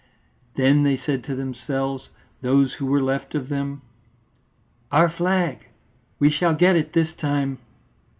Then they said to themselves, those who were left of them: "Our flag we shall get it this time."